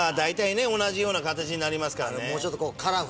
同じような形になりますからね。